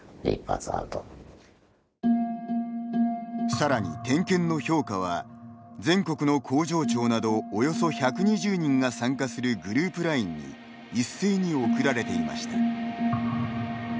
さらに、点検の評価は全国の工場長などおよそ１２０人が参加するグループＬＩＮＥに一斉に送られていました。